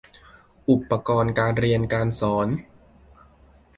อุปกรณ์การเรียนการสอน